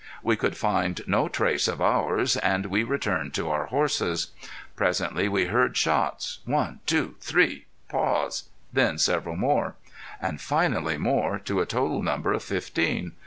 We could find no trace of ours. And we returned to our horses. Presently we heard shots. One two three pause then several more. And finally more, to a total number of fifteen.